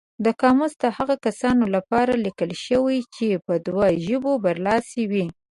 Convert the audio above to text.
دا قاموس د هغو کسانو لپاره لیکل شوی چې په دوو ژبو برلاسي وي.